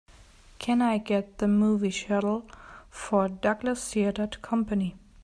Can I get the movie schedule for Douglas Theatre Company